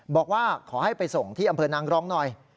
บอกว่าขอให้ไปส่งที่อำเภอนางรองหน่อย